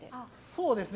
そうですね。